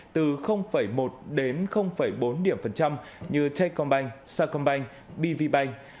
từ một đến bốn điểm phần trăm như techcombank sacombank bvbank